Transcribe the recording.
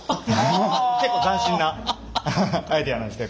結構斬新なアイデアなんですけど。